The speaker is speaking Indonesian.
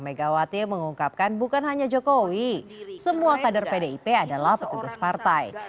megawati mengungkapkan bukan hanya jokowi semua kader pdip adalah petugas partai